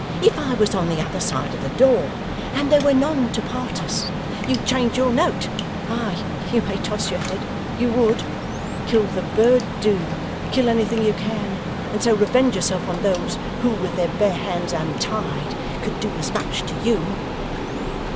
'If I was on the other side of the door and there were none to part us, you'd change your note ay, you may toss your head you would! Kill the bird do. Kill anything you can, and so revenge yourself on those who with their bare hands untied could do as much to you!